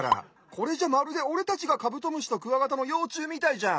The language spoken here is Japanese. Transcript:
これじゃまるでおれたちがカブトムシとクワガタのようちゅうみたいじゃん。